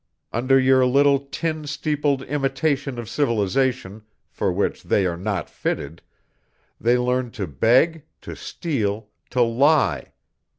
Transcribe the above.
Under your little tin steepled imitation of civilization, for which they are not fitted, they learn to beg, to steal, to lie.